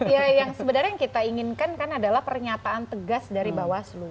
ya yang sebenarnya yang kita inginkan kan adalah pernyataan tegas dari bawaslu